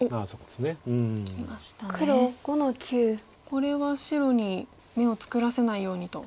これは白に眼を作らせないようにと。